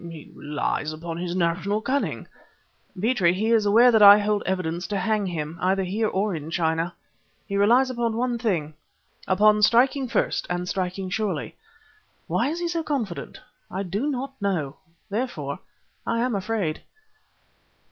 "He relies upon his national cunning." "Petrie, he is aware that I hold evidence to hang him, either here or in China! He relies upon one thing; upon striking first and striking surely. Why is he so confident? I do not know. Therefore I am afraid."